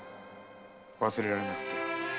忘れられなくてよ〕